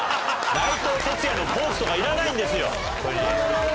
内藤哲也のポーズとかいらないんですよ！